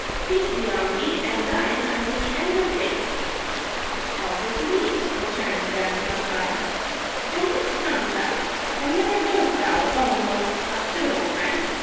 Peace be on thee and thine unto the end of days." "Also to thee," returned Ben Maslia. "And whence comest thou? And whither goest thou, oh most hospitable friend?"